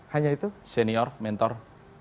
hanya itu senior mentor